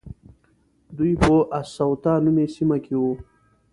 دوی په السطوة نومې سیمه کې وو.